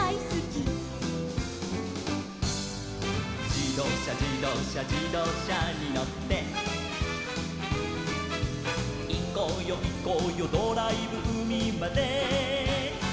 「じどうしゃじどうしゃじどうしゃにのって」「いこうよいこうよドライブうみまで」